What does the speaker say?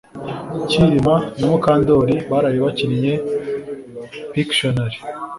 Kirima na Mukandoli baraye bakinnye Pictionary